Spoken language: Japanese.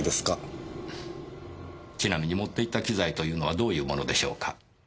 ちなみに持っていった機材というのはどういうものでしょうか？